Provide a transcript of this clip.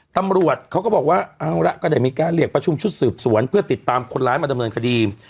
ตำรวจเขาก็บอกว่าเอาละก็ได้มีการเรียกประชุมชุดสืบสวนเพื่อติดตามคนร้ายมาดำเนินคดี